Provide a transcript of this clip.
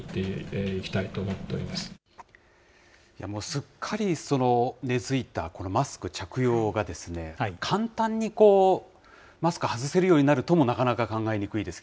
すっかり根付いたこのマスク着用がですね、簡単にマスク外せるようになるとも、なかなか考えにくいです